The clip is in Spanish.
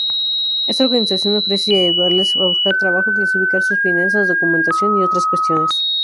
Esta organización ofrece ayudarles a buscar trabajo, clasificar sus finanzas, documentación y otras cuestiones.